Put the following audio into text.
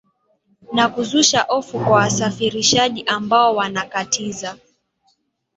na kuzusha hofu kwa wasafirishaji ambao wanakatiza